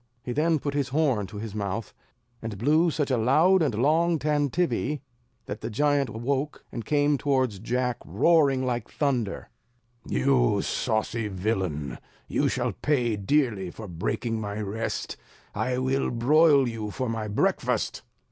He then put his horn to his mouth, and blew such a loud and long tantivy, that the giant awoke and came towards Jack, roaring like thunder: "You saucy villain, you shall pay dearly for breaking my rest; I will broil you for my breakfast."